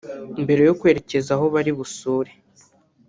mbere yo kwerekeza aho bari busure